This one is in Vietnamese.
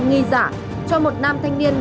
nghi giả cho một nam thanh niên